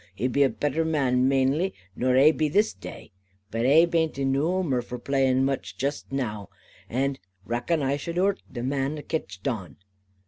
He be a better man mainly nor ai be this dai. But ai baint in no oomer for playin' much jist now, and rackon ai should hoort any man ai kitched on.